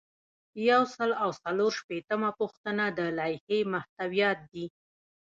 یو سل او څلور شپیتمه پوښتنه د لایحې محتویات دي.